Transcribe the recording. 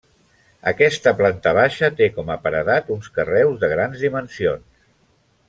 Aquesta planta baixa té com a paredat uns carreus de grans dimensions.